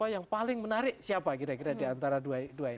yang paling menarik siapa kira kira di antara dua ini